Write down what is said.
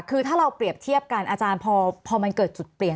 คือถ้าเราเปรียบเทียบกันอาจารย์พอมันเกิดจุดเปลี่ยน